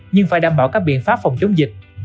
nhưng phải đảm bảo các biện pháp phòng chống dịch